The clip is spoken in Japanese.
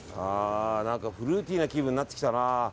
何かフルーティーな気分になってきたな。